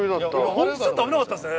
ホントちょっと危なかったですね。